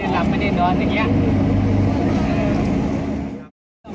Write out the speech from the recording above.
เอาลงนี้ก่อน